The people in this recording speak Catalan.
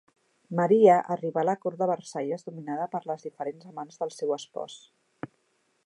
Maria arribà a la Cort de Versalles dominada per les diferents amants del seu espòs.